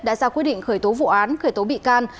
đã ra quyết định khởi tố vụ án khởi tố bị can